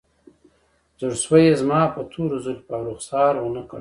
زړسوی یې زما په تورو زلفو او رخسار ونه کړ